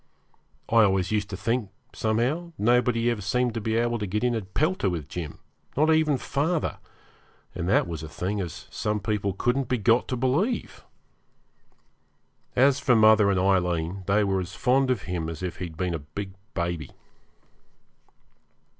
I always used to think, somehow, nobody ever seemed to be able to get into a pelter with Jim, not even father, and that was a thing as some people couldn't be got to believe. As for mother and Aileen, they were as fond of him as if he'd been a big baby.